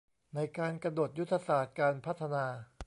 ในการกำหนดยุทธศาสตร์การพัฒนา